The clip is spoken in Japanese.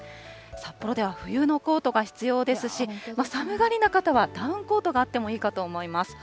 札幌では冬のコートが必要ですし、寒がりな方はダウンコートがあってもいいかと思います。